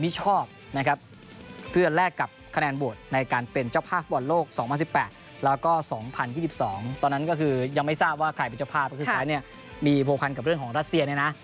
ว่าใครเป็นเจ้าภาพก็คือใครเนี่ยมีโภคันกับเรื่องของรัสเซียเนี่ยนะ